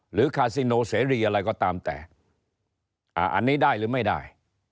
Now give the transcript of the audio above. คาซิโนเสรีอะไรก็ตามแต่อันนี้ได้หรือไม่ได้